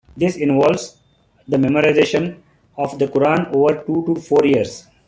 This involves the memorization of the Quran over two to four years.